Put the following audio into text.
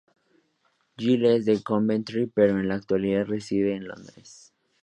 Gill es de Coventry pero en la actualidad reside en Londres.